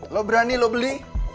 lo berani lo beli